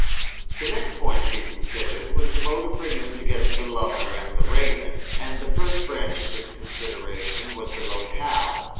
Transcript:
The next point to be considered was the mode of bringing together the lover and the Raven and the first branch of this consideration was the locale.